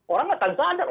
orang akan sadar